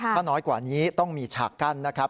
ถ้าน้อยกว่านี้ต้องมีฉากกั้นนะครับ